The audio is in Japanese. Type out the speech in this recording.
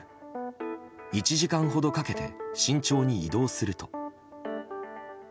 １時間ほどかけて慎重に移動すると。